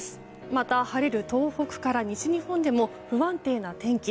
また、晴れる東北から西日本でも不安定な天気。